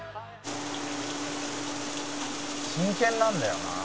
「真剣なんだよな」